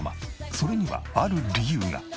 それにはある理由が。